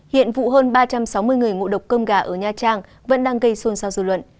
hiện vụ hơn ba trăm sáu mươi người ngộ độc cơm gà ở nha trang vẫn đang gây xôn xao dư luận